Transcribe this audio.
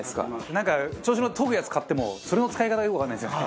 なんか調子に乗って研ぐやつ買ってもそれの使い方がよくわからないですよね。